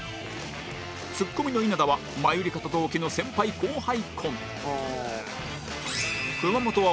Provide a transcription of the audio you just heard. ツッコミの稲田はマユリカと同期の先輩後輩コンビ